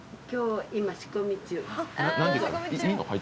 今日今仕込み中。